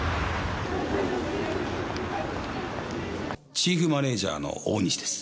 チーフマネージャーの大西です。